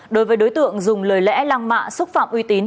đối với đối tượng dùng lời lẽ lang mạ xúc phạm uy tín